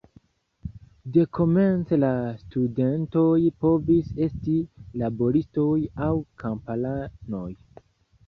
Dekomence la studentoj povis esti laboristoj aŭ kamparanoj.